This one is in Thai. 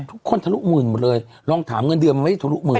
ทะลุหมื่นหมดเลยลองถามเงินเดือนมันไม่ทะลุหมื่น